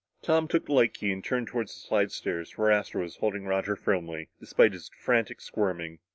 Tom took the light key and turned toward the slidestairs where Astro was holding Roger firmly, despite his frantic squirming.